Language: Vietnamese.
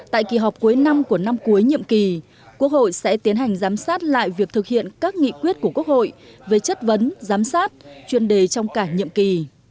tại kỳ họp cuối năm của năm cuối nhiệm kỳ quốc hội sẽ tiến hành giám sát lại việc thực hiện các nghị quyết của quốc hội về chất vấn giám sát chuyên đề trong cả nhiệm kỳ